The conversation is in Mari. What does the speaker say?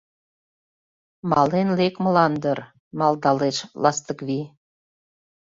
— Мален лекмылан дыр... — малдалеш Ластыквий.